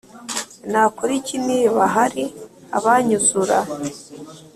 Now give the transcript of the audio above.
Nakora iki niba hari abannyuzura